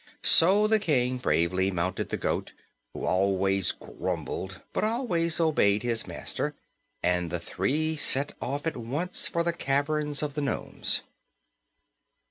So the King bravely mounted the goat, who always grumbled but always obeyed his master, and the three set off at once for the caverns of the nomes.